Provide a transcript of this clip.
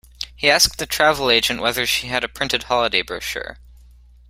He asked the travel agent whether she had a printed holiday brochure